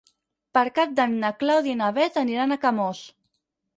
Per Cap d'Any na Clàudia i na Bet aniran a Camós.